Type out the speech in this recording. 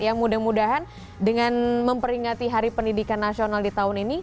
yang mudah mudahan dengan memperingati hari pendidikan nasional di tahun ini